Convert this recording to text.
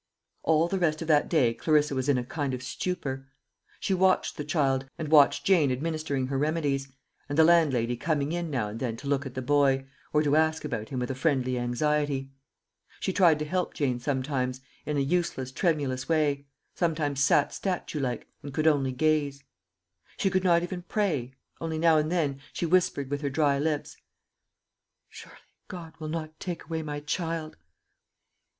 All the rest of that day Clarissa was in a kind of stupor. She watched the child, and watched Jane administering her remedies, and the landlady coming in now and then to look at the boy, or to ask about him with a friendly anxiety. She tried to help Jane sometimes, in a useless tremulous way, sometimes sat statue like, and could only gaze. She could not even pray only now and then, she whispered with her dry lips, "Surely God will not take away my child!"